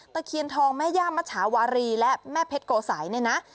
ตะเคียนทองแม่ย่ามัชชาวารีและแม่เพชรโกสัยเนี่ยนะ